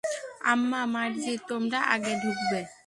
আম্মা, মার্জি, তোমরা আগে ঢুকবে।